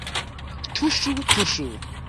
Tuŝu, tuŝu